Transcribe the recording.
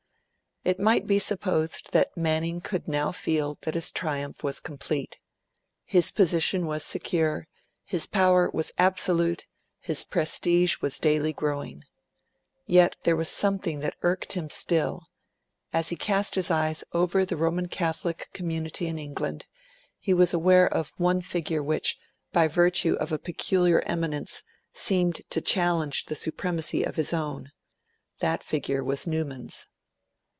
It might be supposed that Manning could now feel that his triumph was complete. His position was secure; his power was absolute; his prestige was daily growing. Yet there was something that irked him still. As he cast his eyes over the Roman Catholic community in England, he was aware of one figure which, by virtue of a peculiar eminence, seemed to challenge the supremacy of his own. That figure was Newman's.